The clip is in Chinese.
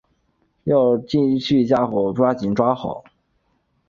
要持续进一步抓紧抓好